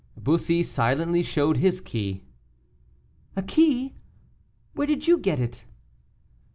Bussy silently showed his key. "A key! where did you get it?"